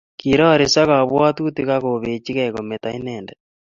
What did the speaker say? Kiroriso kabwatutik akobechikei kometo inendet